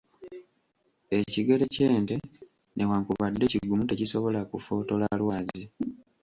Ekigere ky'ente newankubadde kigumu, tekisobola kufootola lwazi.